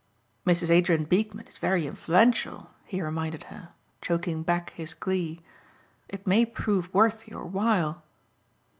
"Mrs. Adrien Beekman is very influential," he reminded her, choking back his glee, "it may prove worth your while."